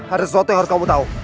ada sesuatu yang harus kamu tahu